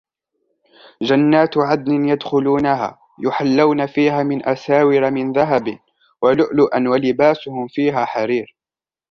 جَنَّاتُ عَدْنٍ يَدْخُلُونَهَا يُحَلَّوْنَ فِيهَا مِنْ أَسَاوِرَ مِنْ ذَهَبٍ وَلُؤْلُؤًا وَلِبَاسُهُمْ فِيهَا حَرِيرٌ